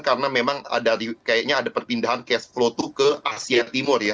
karena memang ada perpindahan cash flow itu ke asia timur ya